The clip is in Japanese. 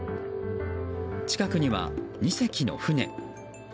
近くには２隻の船。